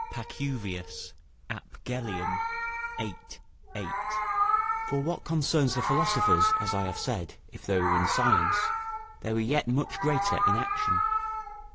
Pacuvius, ap Gellium, xiii. 8.] For what concerns the philosophers, as I have said, if they were in science, they were yet much greater in action.